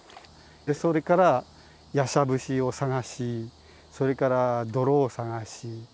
それからヤシャブシを探しそれから泥を探し